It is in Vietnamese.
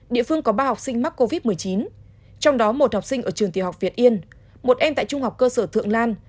địa phương có ba học sinh mắc covid một mươi chín trong đó một học sinh ở trường tiểu học việt yên một em tại trung học cơ sở thượng lan